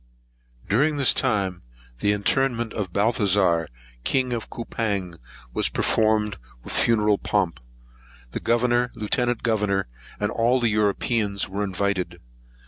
During this time, the interment of Balthazar, King of Coupang, was performed with much funeral pomp. The Governor, Lieutenant Governor, and all the Europeans were invited.